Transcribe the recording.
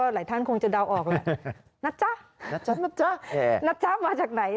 หลายท่านคงจะเดาออกเลยนัจจ้ะนัจจ้ะมาจากไหน